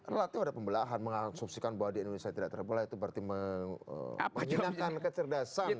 relatif ada pembelahan mengasumsikan bahwa di indonesia tidak terbelah itu berarti menghilangkan kecerdasan